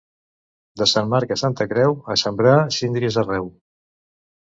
De Sant Marc a Santa Creu, a sembrar síndries arreu.